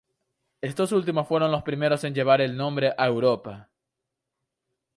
Estos últimos fueron los primeros en llevar el nombre a Europa.